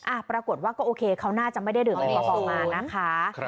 อ่าปรากฏว่าก็โอเคเขาน่าจะไม่ได้เดินไอก่อีกก่อนมานะคะ